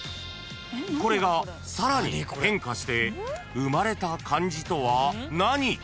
［これがさらに変化して生まれた漢字とは何？］